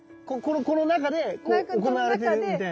この中でこう行われてるみたいな。